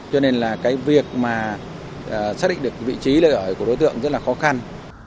cho nên là cái việc mà xác định được vị trí nơi ở của đối tượng rất là khó khăn